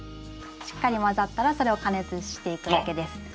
しっかり混ざったらそれを加熱していくだけです。